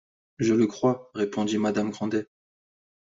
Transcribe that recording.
Je le crois, répondit madame Grandet.